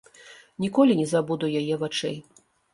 Ніколі не забуду яе вачэй.